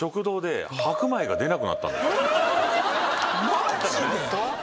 マジで！？